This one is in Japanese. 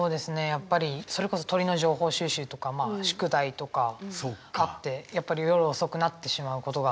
やっぱりそれこそ鳥の情報収集とか宿題とかあってやっぱり夜遅くなってしまうことが多いんで。